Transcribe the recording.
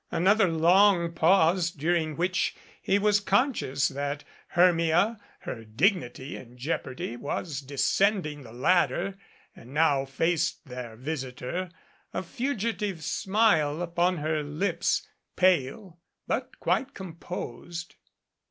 Another long pause, during which he was conscious that Hermia, her dignity in jeopardy, was descending the ladder and now faced their visitor, a fugitive smile upon her lips, pale but quite composed.